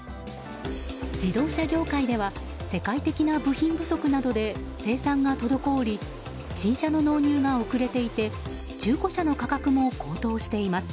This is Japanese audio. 自動車業界では世界的な部品不足などで生産が滞り、新車の納入が遅れていて中古車の価格も高騰しています。